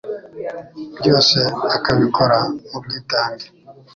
byose akabikora mu bwitange